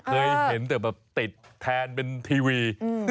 เคยเห็นแต่แบบติดแทนเป็นทีวี